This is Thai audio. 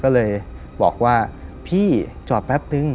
ก็เลยบอกว่าพี่จอดแป๊บนึง